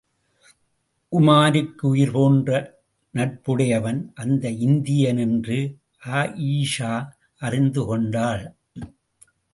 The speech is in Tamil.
உமாருக்கு உயிர் போன்ற நட்புடையவன் அந்த இந்தியன் என்று ஆயீஷா அறிந்து கொண்டாள்.